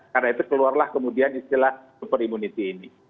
karena itu keluarlah kemudian istilah super immunity ini